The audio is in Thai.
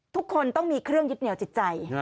ทุกคนต้องมีเครื่องยึดเหนียวจิตใจ